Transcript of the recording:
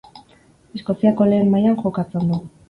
Eskoziako lehen mailan jokatzen du.